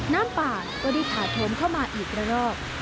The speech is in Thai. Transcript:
น้ำป่าก็ได้ถาโถมเข้ามาอีกระรอก